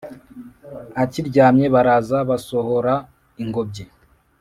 akiryamye baraza basohora ingobyi